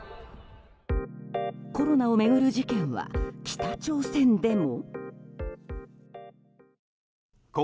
コロナを巡る事件は北朝鮮でも。